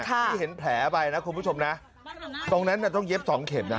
ที่เห็นแผลไปนะคุณผู้ชมนะตรงนั้นน่ะต้องเย็บสองเข็มนะ